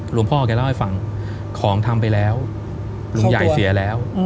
หลวงพ่อแกเล่าให้ฟังของทำไปแล้วลุงใหญ่เสียแล้ว